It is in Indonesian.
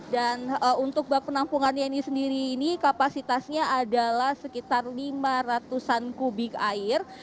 dan untuk bak penampungan ini sendiri ini kapasitasnya adalah sekitar lima ratus an kubik air